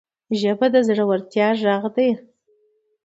ژبه د زړورتیا غږ ده